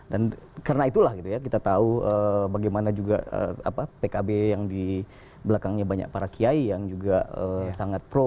dan karena itulah gitu ya kita tahu bagaimana juga pkb yang di belakangnya banyak para kiai yang juga sangat berpengaruh